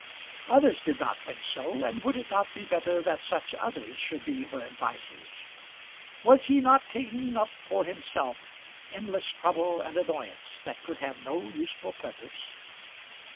Others did not think so, and would it not be better that such others should be her advisers? Was he not taking up for himself endless trouble and annoyance that could have no useful purpose?